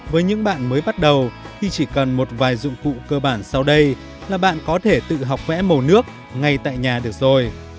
với những bạn mới bắt đầu thì chỉ cần một vài dụng cụ cơ bản sau đây là bạn có thể tự học vẽ màu nước ngay tại nhà được rồi